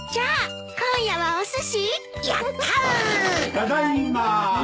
ただいま。